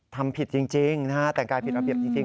ทำผิดจริงนะฮะแต่งกายผิดระเบียบจริง